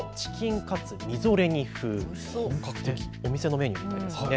お店のメニューみたいですね。